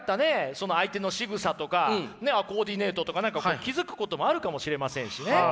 その相手のしぐさとかコーディネートとか何かこう気付くこともあるかもしれませんしね。